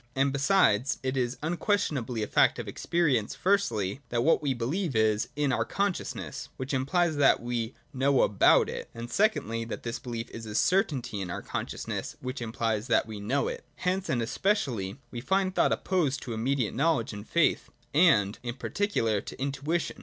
And, besides, it is unquestion ably a fact of experience, firstly, that what we believe is 124 THIRD ATTITUDE TO OBJECTIVITY. [63 in our consciousness, — which imphes that we know about it; and secondly, that this behef is a certainty in our consciousness, — which implies that we know it. Again, and especially, we find thought opposed to immediate knowledge and faith, and, in particular, to intuition.